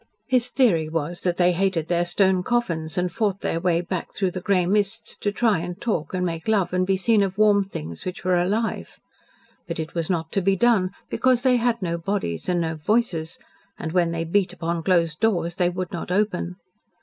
His theory was that they hated their stone coffins, and fought their way back through the grey mists to try to talk and make love and to be seen of warm things which were alive. But it was not to be done, because they had no bodies and no voices, and when they beat upon closed doors they would not open.